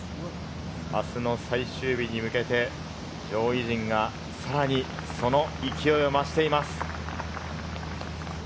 明日の最終日に向けて、上位陣がさらに、その勢いを増しています。